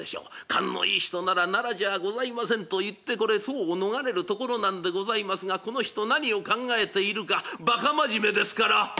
勘のいい人なら「奈良じゃございません」と言ってこれ騒を逃れるところなんでございますがこの人何を考えているかバカ真面目ですから。